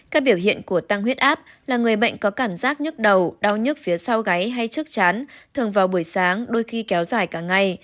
các biểu hiện của tăng huyết áp là người bệnh có cảm giác nhức đầu đau nhức phía sau gáy hay trước chán thường vào buổi sáng đôi khi kéo dài cả ngày